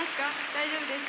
大丈夫ですか？